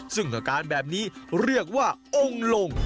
ซึ่งอาการแบบนี้เรียกว่าองค์ลง